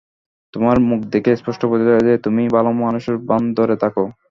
তোমার মুখ দেখে স্পষ্ট বোঝা যায় যে তুমি ভালোমানুষির ভান ধরে থাকো।